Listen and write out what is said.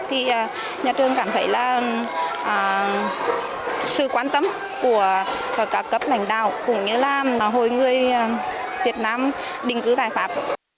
thì nhà trường cảm thấy là sự quan tâm của các cấp lãnh đạo cũng như là hội người việt nam đình cứu tài pháp